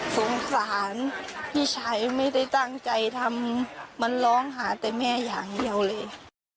สงสารพี่ชายไม่ได้ตั้งใจทำมันร้องหาแต่แม่อย่างเดียวเลย